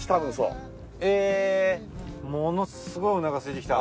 ものすごいおなかすいてきた。